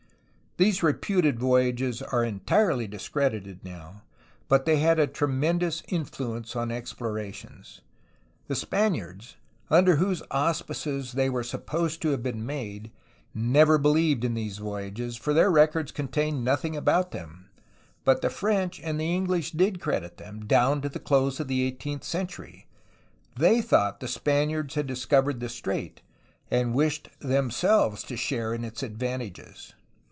These reputed voyages are entirely discredited now, 76 A HISTORY OF CALIFORNIA but they had a tremendous influence on explorations. The Spaniards, under whose auspices they were supposed to have been made, never beUeved in these voyages, for their records contained nothing about them, but the French and the EngUsh did credit them, down to the close of the eighteenth century; they thought the Spaniards had discovered the strait, and wished themselves to share in its advantages.